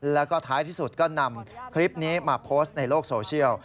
แล้วก็ท้ายที่สุดก็นำคลิปนี้มาโพสต์ในโลกโซเชียล